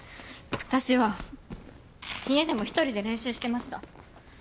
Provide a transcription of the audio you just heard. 私は家でも一人で練習してました。